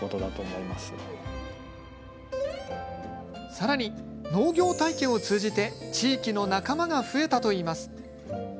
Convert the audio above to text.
さらに、農業体験を通じて地域の仲間が増えたといいます。